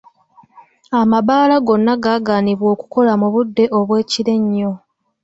Amabbaala gonna gaaganibwa okukola mu budde obw'ekiro ennyo.